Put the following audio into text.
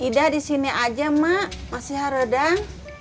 ida disini aja mak masih harodah